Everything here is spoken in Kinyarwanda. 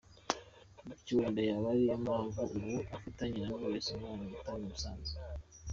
Bityo wenda yaba ari yo mpamvu ubu afitanye na Knowless umubano utari usanzwe .